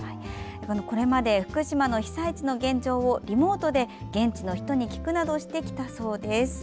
これまで、福島の被災地の現状をリモートで、現地の人に聞くなどしてきたそうです。